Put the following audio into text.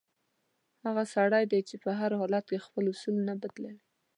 سړی هغه دی چې په هر حالت کې خپل اصول نه بدلوي.